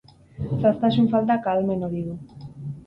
Zehaztasun faltak ahalmen hori du.